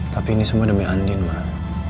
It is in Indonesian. tapi ini semua demi andin pak